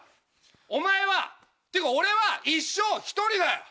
お前はっていうか俺は一生独りだよ。